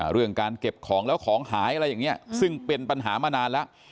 เรื่องการเก็บของแล้วของหายอะไรอย่างนี้ซึ่งเป็นปัญหามานานแล้ว